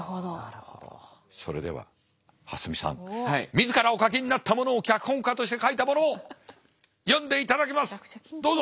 自らお書きになったものを脚本家として書いたものを読んでいただきますどうぞ！